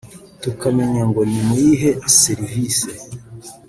tukamenya ngo ni mu yihe serivise